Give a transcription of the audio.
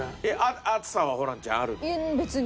熱さはホランちゃんあるの？